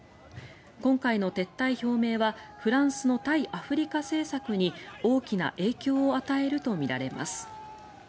今回の撤退表明はフランスの対アフリカ政策に大きな影響を与えるとみられます。